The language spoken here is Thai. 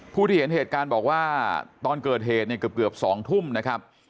ผู้ที่เห็นเหตุการณ์บอกว่าตอนเกิดเหตุเนี่ยเกือบ๒ทุ่มนะครับ